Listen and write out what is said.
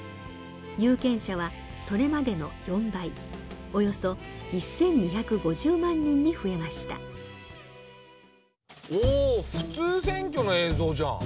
有権者はそれまでの４倍およそ１，２５０万人に増えましたお普通選挙の映像じゃん。